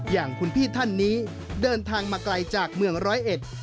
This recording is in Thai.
อย่างคุณพี่ท่านนี้เดินทางมาไกลจากเมืองร้อยเอ็ด